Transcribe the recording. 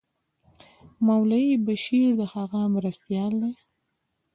مولوي بشیر د هغه مرستیال دی.